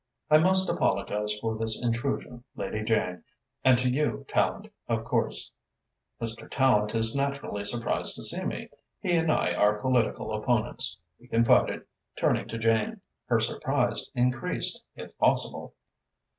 "I must apologize for this intrusion, Lady Jane, and to you, Tallente, of course. Mr. Tallente is naturally surprised to see me. He and I are political opponents," he confided, turning to Jane. Her surprise increased, if possible.